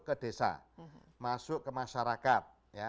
ke desa masuk ke masyarakat